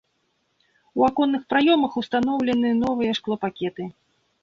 У аконных праёмах ўстаноўлены новыя шклопакеты.